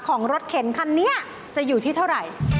ของรถเข็นคันนี้จะอยู่ที่เท่าไหร่